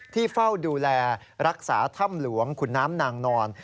เฝ้าดูแลรักษาถ้ำหลวงขุนน้ำนางนอน